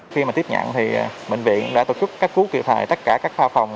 khi mà tiếp nhận thì bệnh viện đã tổ chức các cú kiệp thầy tất cả các pha phòng